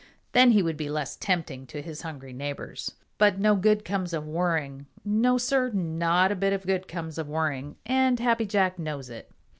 Then he would be less tempting to his hungry neighbors. But no good comes of worrying. No, Sir, not a bit of good comes of worrying, and Happy Jack knows it.